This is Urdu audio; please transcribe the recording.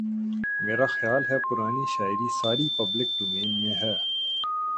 میرا خیال ہے پرانی شاعری ساری پبلک ڈومین میں ہے